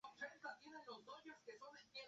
La sede del condado es Beloit.